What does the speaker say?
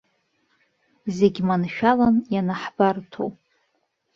Зегь маншәалан ианаҳбарҭоу.